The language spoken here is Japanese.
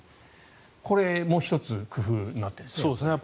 これも１つ工夫になっているんですね。